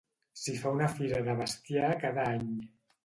S'hi fa una fira de bestiar cada any.